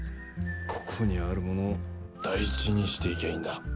ここにあるものを大事にしていきゃいいんだ。